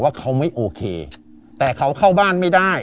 ว่าเขาไม่โอเคแต่เขาเข้าบ้านไม่ได้